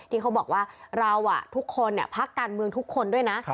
ที่เขาบอกว่าเราทุกคนพักการเมืองทุกคนด้วยนะ